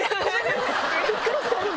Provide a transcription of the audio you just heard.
びっくりした！